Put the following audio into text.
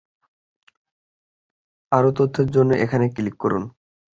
আরো তথ্যের জন্য এখানে ক্লিক করুন।